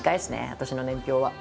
私の年表は。